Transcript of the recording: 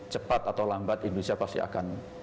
cepat atau lambat indonesia pasti akan